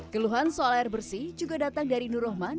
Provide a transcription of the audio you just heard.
keluhan soal air bersih juga datang dari nur rahman